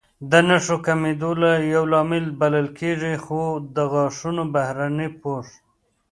د نښو کمېدو یو لامل بلل کېږي، خو د غاښونو بهرنی پوښ